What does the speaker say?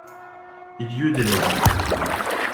Il y eut des morts.